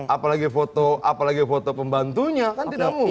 apalagi foto apalagi foto pembantunya kan tidak mungkin